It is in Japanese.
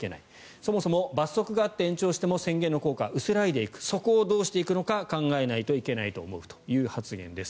そもそも罰則があって延長しても宣言の効果は薄らいでいくそこをどうしていくのか考えないといけないと思うという発言です。